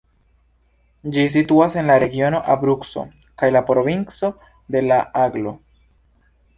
Ĝi situas en la regiono Abruco kaj la provinco de La-Aglo.